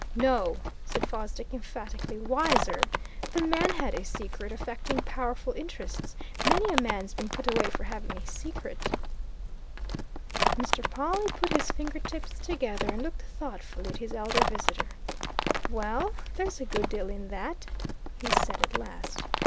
"No," said Fosdick emphatically, "wiser! The man had a secret, affecting powerful interests. Many a man's been put away for having a secret." Mr. Pawle put his finger tips together and looked thoughtfully at his elder visitor. "Well, there's a good deal in that," he said at last.